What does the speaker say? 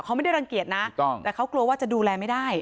เขาไม่ได้รังเกียจนะแต่เขากลัวว่าจะดูแลไม่ได้